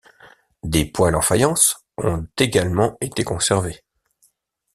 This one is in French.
Des poêles en faïence ont également été conservés.